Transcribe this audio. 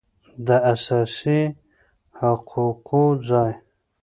داساسي حقوقو ځای